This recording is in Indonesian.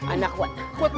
anak kuat takut